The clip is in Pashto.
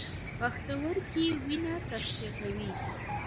پښتورګي وینه تصفیه کوي